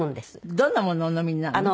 どんなものお飲みになるの？